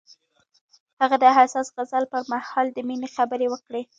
هغه د حساس غزل پر مهال د مینې خبرې وکړې.